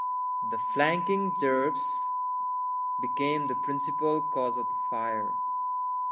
The flanking gerbs became the principal cause of the fire.